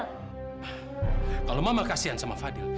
kalau mama kasihan sama fadil